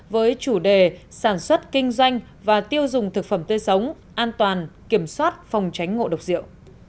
với chủ đề sản xuất kinh doanh và tiêu dùng thực phẩm tươi sống an toàn kiểm soát phòng tránh ngộ độc rượu